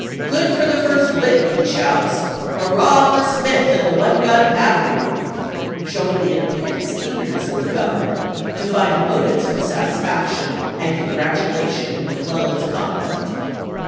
" Good for the first lick !" he shouts ;" Hurrah for Smith and the one gun battery" — showing the intense eagerness of the Government to find motives for satisfaction and congratulation in McClellan's con duct.